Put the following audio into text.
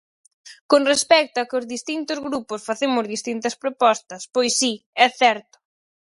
Con respecto a que os distintos grupos facemos distintas propostas, pois si, é certo.